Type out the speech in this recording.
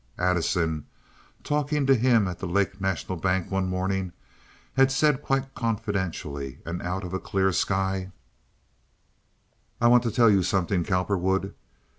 Addison, talking to him at the Lake National Bank one morning, had said quite confidentially, and out of a clear sky: "I want to tell you something, Cowperwood.